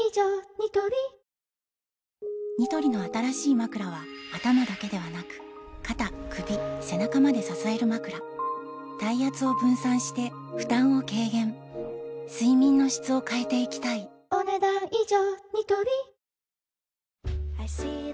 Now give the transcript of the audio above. ニトリニトリの新しいまくらは頭だけではなく肩・首・背中まで支えるまくら体圧を分散して負担を軽減睡眠の質を変えていきたいお、ねだん以上。